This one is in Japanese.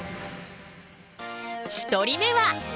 １人目は！